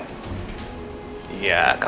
ingin mengetahui identitas reina yang sebenarnya